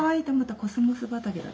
「コスモス畑」だって。